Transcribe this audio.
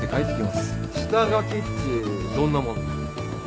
下書きっちどんなもんな？